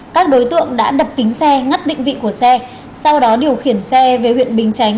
các đối tượng đã đập kính xe ngắt định vị của xe sau đó điều khiển xe về huyện bình chánh